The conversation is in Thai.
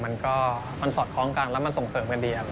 มันก็มันสอดคล้องกันแล้วมันส่งเสริมกันดี